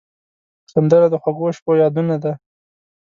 سندره د خوږو شپو یادونه ده